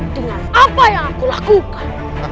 dengan apa yang aku lakukan